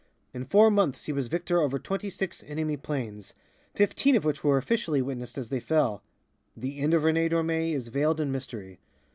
In four months he was victor over twenty six enemy planes, fifteen of which were officially witnessed as they fell. The end of René Dormé is veiled in mystery.